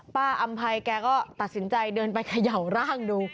อำภัยแกก็ตัดสินใจเดินไปเขย่าร่างดู